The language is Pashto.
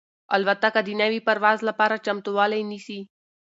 الوتکه د نوي پرواز لپاره چمتووالی نیسي.